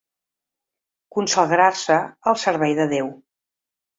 Consagrar-se al servei de Déu.